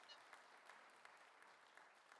katika eneo la huko Afrika magharibi